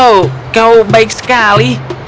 oh kau baik sekali